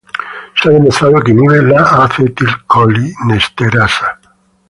Se ha demostrado que inhiben la acetilcolinesterasa.